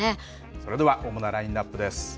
それでは主なラインナップです。